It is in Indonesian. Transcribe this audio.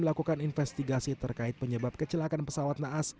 mereka juga melakukan investigasi terkait penyebab kecelakaan pesawat naas